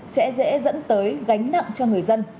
sẽ dễ dẫn tới gánh nặng cho người dân